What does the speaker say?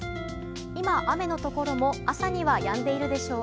今、雨のところも朝にはやんでいるでしょう。